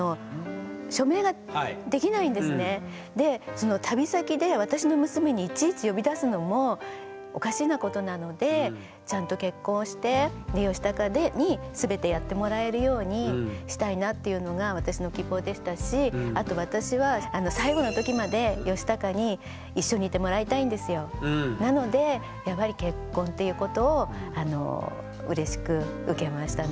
その旅先で私の娘にいちいち呼び出すのもおかしなことなのでちゃんと結婚してヨシタカに全てやってもらえるようにしたいなというのが私の希望でしたしあと私はなのでやっぱり結婚っていうことをあのうれしく受けましたね。